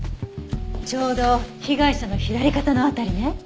ちょうど被害者の左肩の辺りね。